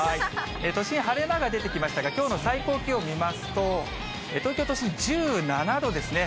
都心、晴れ間が出てきましたが、きょうの最高気温見ますと、東京都心、１７度ですね。